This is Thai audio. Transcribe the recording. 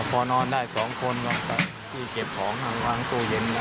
พอนอนได้สองคนที่เก็บของทางหวังตัวเย็น